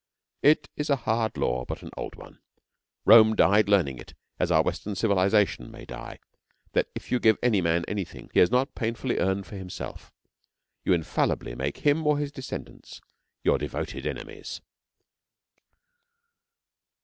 It is a hard law but an old one Rome died learning it, as our western civilisation may die that if you give any man anything that he has not painfully earned for himself, you infallibly make him or his descendants your devoted enemies.